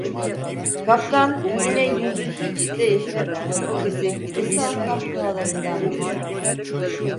Kaptan, yine yüzü hiç değişmeden o kesik, kısa kahkahalarından birini attı…